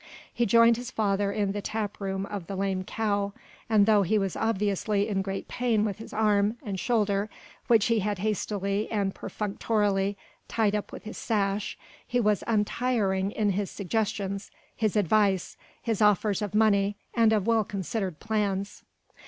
He joined his father in the tap room of the "Lame Cow," and though he was obviously in great pain with his arm and shoulder which he had hastily and perfunctorily tied up with his sash, he was untiring in his suggestions, his advice, his offers of money and of well considered plans.